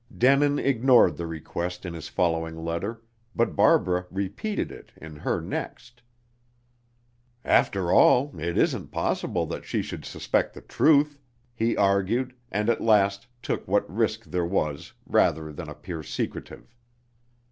Denin ignored the request in his following letter, but Barbara repeated it in her next. "After all, it isn't possible that she should suspect the truth," he argued, and at last took what risk there was, rather than appear secretive.